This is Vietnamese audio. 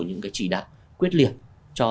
những cái chỉ đạo quyết liệt cho